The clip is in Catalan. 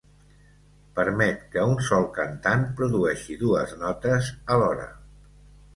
Permet que un sol cantant produeixi dues notes alhora.